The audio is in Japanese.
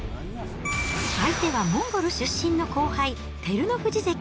相手はモンゴル出身の後輩、照ノ富士関。